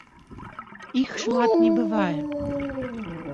Іх шмат не бывае.